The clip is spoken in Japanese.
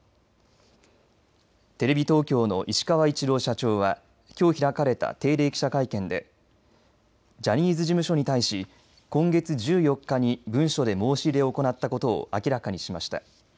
テレビ東京の石川一郎社長はきょう開かれた定例記者会見でジャニーズ事務所に対し今月１４日に文書で申し入れを行ったことを明らかにしました。